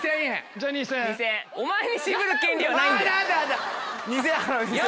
お前に渋る権利はないんだよ！